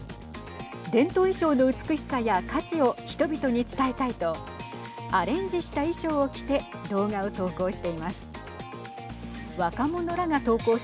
伝統衣装の美しさや価値を人々に伝えたいとアレンジした衣装を着て動画を投稿しています。